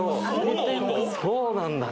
そうなんだね